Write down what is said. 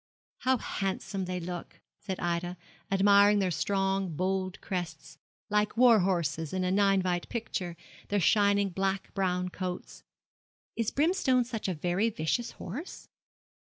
'How handsome they look!' said Ida, admiring their strong, bold crests, like war horses in a Ninevite picture, their shining black brown coats. 'Is Brimstone such a very vicious horse?'